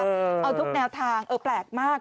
เอาทุกแนวทางเออแปลกมาก